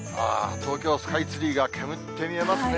東京スカイツリーが煙って見えますね。